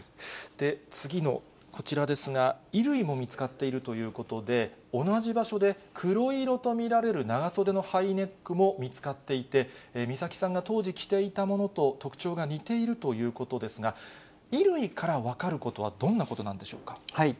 次のこちらですが、衣類も見つかっているということで、同じ場所で、黒色と見られる長袖のハイネックも見つかっていて、美咲さんが当時着ていたものと特徴が似ているということですが、衣類から分かることはどんなことなんでしょうか。